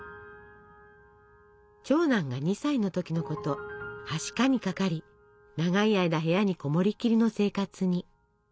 長男が２歳の時のことはしかにかかり長い間部屋に籠もりきりの生活に。